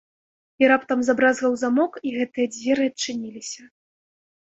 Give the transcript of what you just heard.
І раптам забразгаў замок, і гэтыя дзверы адчыніліся.